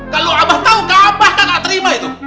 kalau abah tau gak abah kan gak terima itu